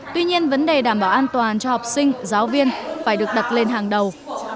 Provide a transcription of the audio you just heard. tuy nhiên vấn đề đảm bảo an toàn cho học sinh giáo viên phải được đặt lên hàng đầu